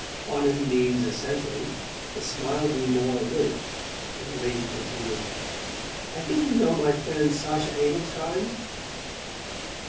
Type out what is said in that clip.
On Undine's assenting, the smile grew more alert and the lady continued: "I think you know my friend Sacha Adelschein?"